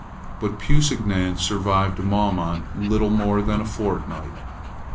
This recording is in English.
But Pusignan survived Maumont little more than a fortnight.